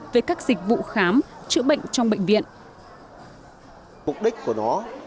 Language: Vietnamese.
về các dịch vụ khám chữa bệnh trong bệnh viện